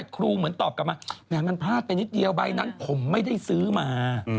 ครูเหมือนตอบกลับมาแหมมันพลาดไปนิดเดียวใบนั้นผมไม่ได้ซื้อมา